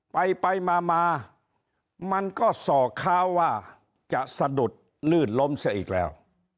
ไปไปมามันก็ส่อข้าวว่าจะสะดุดลื่นล้มซะอีกแล้ว